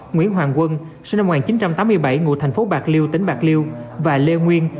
nguyễn hoàng quân sinh năm một nghìn chín trăm tám mươi bảy ngụ thành phố bạc liêu tỉnh bạc liêu và lê nguyên